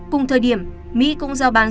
cùng thời điểm mỹ cũng giao bán